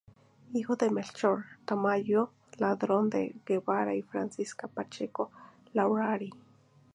Hijo de Melchor Tamayo Ladrón de Guevara y Francisca Pacheco Larrauri.